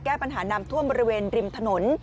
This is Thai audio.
แก้ปัญหาน้ำท่วมบริเวณริมถนน